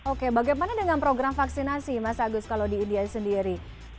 oke bagaimana dengan program vaksinasi mas agus kalau di india sendiri